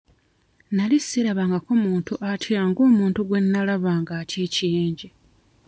Nali sirabangako muntu atya ng'omuntu gwe nalaba ng'atya ekiyenje.